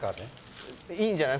いいんじゃない？